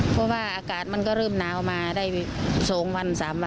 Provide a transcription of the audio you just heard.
เพราะว่าอากาศมันก็เริ่มหนาวมาได้๒วัน๓วัน